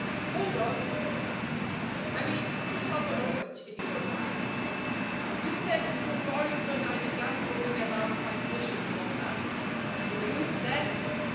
"Hold on," said the man. "I mean, just half a moment, if you don't mind. You said you were sorry when I began blowing about my position and all that. You knew, then?"